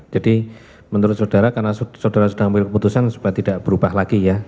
jadi menurut saudara karena saudara sudah ambil keputusan sebaiknya tidak berubah lagi ya